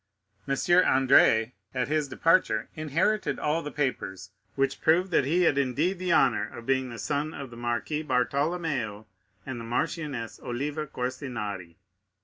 M. Andrea at his departure inherited all the papers which proved that he had indeed the honor of being the son of the Marquis Bartolomeo and the Marchioness Oliva Corsinari.